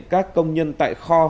các công nhân tại kho